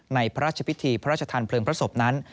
พระราชพิธีพระราชทานเพลิงพระศพนั้น